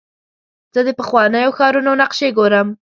زه د پخوانیو ښارونو نقشې ګورم.